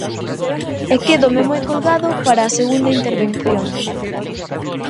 E quédome moi colgado para a segunda intervención.